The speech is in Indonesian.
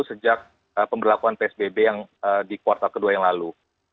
sejak pemberlakuan psbb yang di kuartal kedua yang lalu